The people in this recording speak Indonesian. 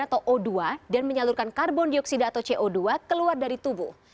paru paru ini menyebabkan kelelahan co dua dan menyalurkan karbon dioksida atau co dua keluar dari tubuh